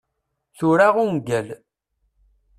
Tura ungal.